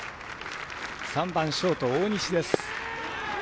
３番ショート、大西です。